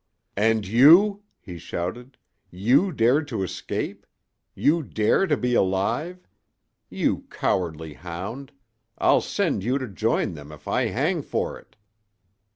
"And you!" he shouted—"you dared to escape?—you dare to be alive? You cowardly hound, I'll send you to join them if I hang for it!"